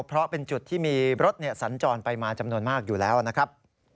เพราะเป็นจุดที่มีรถสัญจรไปมาจำนวนมากอยู่แล้วนะครับ